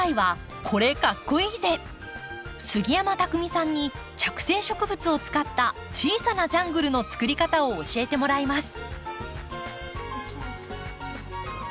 杉山拓巳さんに着生植物を使った小さなジャングルの作り方を教えてもらいます。